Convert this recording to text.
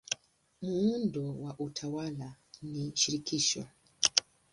Muundo wa utawala ni wa shirikisho.